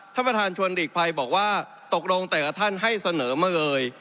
ท่านประธานชวนหลีกภัยบอกว่าตกลงแต่ละท่านให้เสนอมาเลย